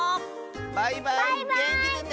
バイバイげんきでね！